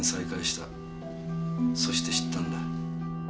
そして知ったんだ。